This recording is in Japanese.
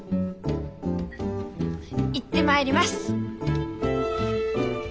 行ってまいります！